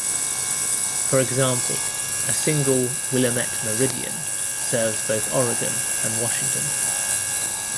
For example, a single Willamette Meridian serves both Oregon and Washington.